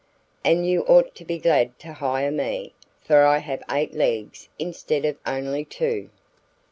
And you ought to be glad to hire me, for I have eight legs instead of only two."